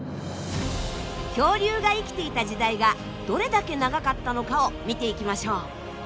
恐竜が生きていた時代がどれだけ長かったのかを見ていきましょう。